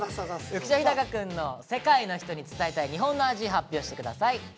浮所飛貴くんの「世界の人に伝えたい日本の味」発表してください。